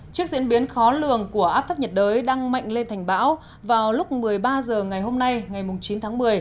trước diễn biến khó lường của áp thấp nhiệt đới đang mạnh lên thành bão vào lúc một mươi ba h ngày hôm nay ngày chín tháng một mươi